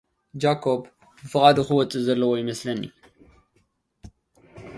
ጃኮብ ብፍቓዱ ኽወጽእ ዘለዎ ይመስለኒ።